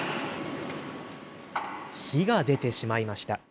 火が出てしまいました。